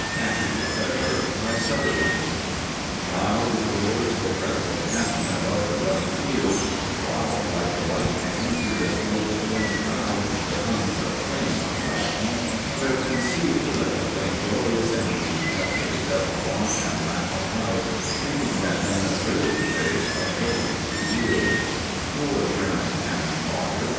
KHAKI FOR EVER BY SUTHERLAND Loud roars the dreadful cannon above the bloody field, While, like the lightning, through the smoke's dim shroud The tongues of flame are flashing, where, concealed, The vainglorious enemy's battery doth vaunt and laugh aloud, Thinking that men of British race are going to yield. Poor German cannon fodder!